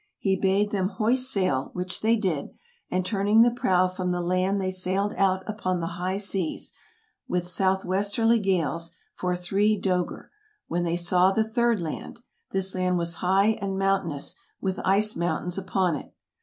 He bade them hoist sail, which they did, and turning the prow from the land they sailed out upon the high seas, with southwesterly gales, for three " dcegr, " when they saw the third land ; this land was high and mountainous, with ice mountains upon it.